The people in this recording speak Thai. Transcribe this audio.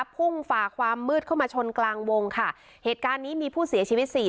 ฝ่าความมืดเข้ามาชนกลางวงค่ะเหตุการณ์นี้มีผู้เสียชีวิตสี่